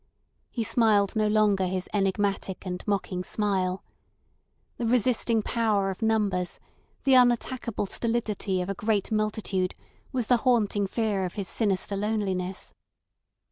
He smiled no longer his enigmatic and mocking smile. The resisting power of numbers, the unattackable stolidity of a great multitude, was the haunting fear of his sinister loneliness.